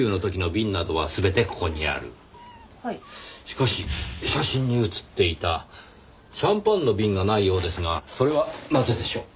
しかし写真に写っていたシャンパンの瓶がないようですがそれはなぜでしょう？